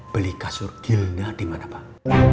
beli kasur gilna dimana pak